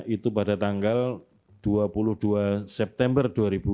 itu pada tanggal dua puluh dua september dua ribu dua puluh